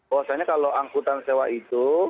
bahwasanya kalau angkutan sewa itu